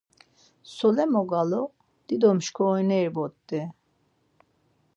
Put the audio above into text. Solen mogalu, dido mşkorineri bort̆i!